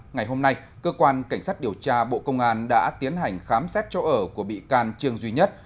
ngày hôm nay cơ quan cảnh sát điều tra bộ công an đã tiến hành khám xét chỗ ở của bị can trương duy nhất